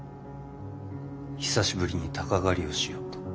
久しぶりに鷹狩りをしようと。